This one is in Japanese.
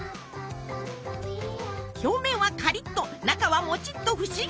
表面はカリッと中はモチッと不思議な食感！